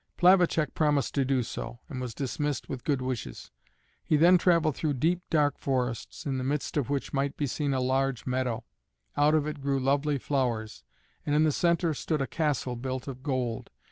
Plavacek promised to do so, and was dismissed with good wishes. He then traveled through deep dark forests, in the midst of which might be seen a large meadow: out of it grew lovely flowers, and in the center stood a castle built of gold.